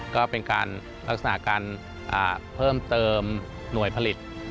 ก็เป็นการลักษณะการเพิ่มเติมหน่วยผลิต